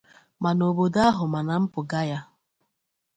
ma n'obodo ahụ ma na mpụga ya.